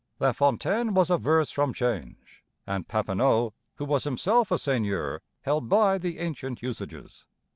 LaFontaine was averse from change, and Papineau, who was himself a seigneur, held by the ancient usages.